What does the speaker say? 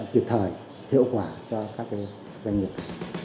kịp thời hiệu quả cho các doanh nghiệp